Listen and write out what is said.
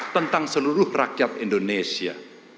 tentang seluruh rakyat indonesia